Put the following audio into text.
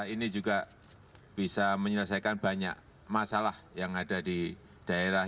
ini juga bisa menyelesaikan banyak masalah yang ada di daerah